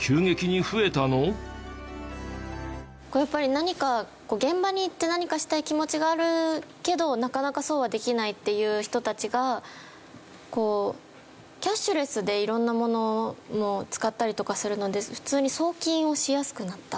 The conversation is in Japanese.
やっぱり何か現場に行って何かしたい気持ちがあるけどなかなかそうはできないっていう人たちがキャッシュレスでいろんなものの使ったりとかするので普通に送金をしやすくなった？